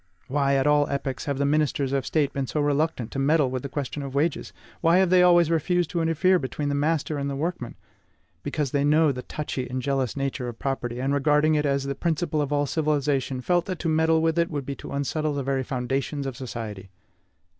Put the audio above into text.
Why, at all epochs, have the ministers of State been so reluctant to meddle with the question of wages? Why have they always refused to interfere between the master and the workman? Because they knew the touchy and jealous nature of property, and, regarding it as the principle of all civilization, felt that to meddle with it would be to unsettle the very foundations of society.